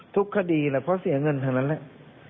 ทุกคดีแหละเพราะเสียเงินทั้งนั้นแหละ